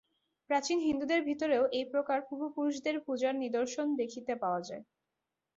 প্রাচীন হিন্দুদের ভিতরেও এই প্রকার পূর্বপুরুষদের পূজার নিদর্শন দেখিতে পাওয়া যায়।